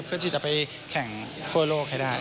เพื่อที่จะไปแข่งทั่วโลกให้ได้